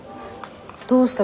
どうした？